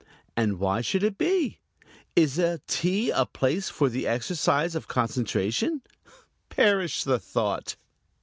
And why should it be? Is a tea a place for the exercise of concentration? Perish the thought.